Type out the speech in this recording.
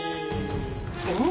うん？